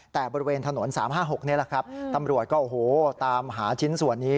แต่บริเวณถนน๓๕๖นี่แหละครับตำรวจก็โอ้โหตามหาชิ้นส่วนนี้